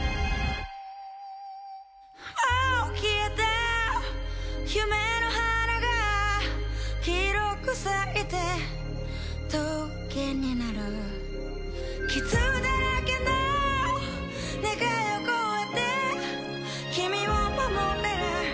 もう消えた夢の花が黄色く咲いて棘になる傷だらけの願いを超えて君を守れる？